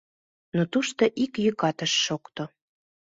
Но тушто ик йӱкат ыш шокто.